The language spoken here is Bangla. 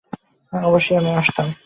অবশ্যই আমি আসতাম।